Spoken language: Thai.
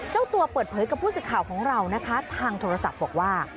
เจ้าตัวเปิดเผยกับผู้สื่อข่าวของเรานะคะทางโทรศัพท์บอกว่า